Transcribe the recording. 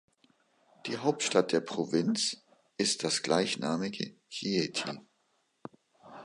Die Hauptstadt der Provinz ist das gleichnamige Chieti.